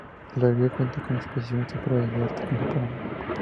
La galería cuenta con exposiciones temporales de arte contemporáneo.